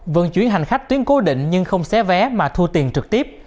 vận chuyển hành khách tuyến cố định nhưng không xé vé mà thu tiền trực tiếp